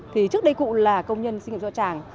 thì trước đây cụ là công nhân sinh do tràng